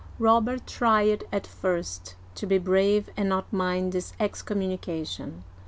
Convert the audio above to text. Robert tried at first to be brave and not mind this ex communication.